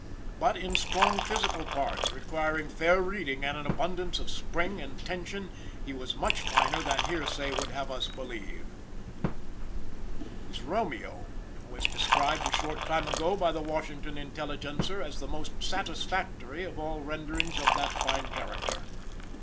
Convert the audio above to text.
But in strong physical parts, requiring fair reading and an abundance of spring and tension, he was much finer than hearsay would have us believe. His Romeo was described a short time ago by the Washington Intelligencer as the most satisfactory of all renderings of that fine character.